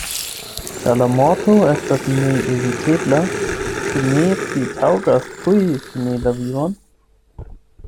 Ĉar la morto estas neevitebla, ĉu ne pli taŭgas tuj fini la vivon?